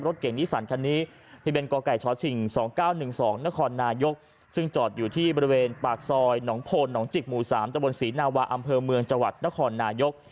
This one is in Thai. รถเก่งที่สั่นคันนี้ที่เป็นกกช๒๙๑๒นครนายกซึ่งจอดอยู่ที่บริเวณปากซอยหนองพลหนองจิกหมู่๓ตะวนสีนาวาอเมืองจนครนายก